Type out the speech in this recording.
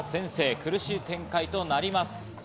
苦しい展開となります。